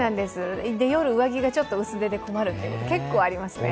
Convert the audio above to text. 夜、上着がちょっと薄手で困ること結構ありますね。